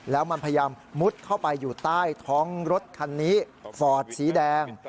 แล้วมันพยายามมุดเข้าไปอยู่ใต้ท้องรถคันนี้ฟอร์ดสีแดง